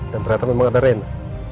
dan ternyata memang ada rena